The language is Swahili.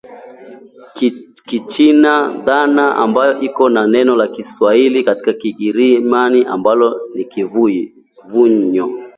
/kichana/ dhana ambayo iko na neno la kiasili katika Kigiriama ambalo ni kimvunyo